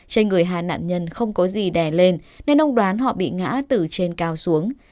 trên người hà nạn nhân không có gì đè lên nên ông đoán họ bị ngã từ trên cao xuống